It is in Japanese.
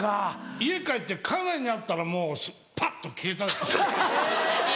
家帰って家内に会ったらもうパッと消えた。